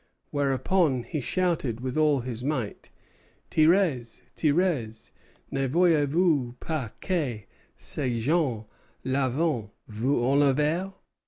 Whereupon he shouted with all his might: "Tirez! Tirez! Ne voyez vous pas que ces gens là vont vous enlever?"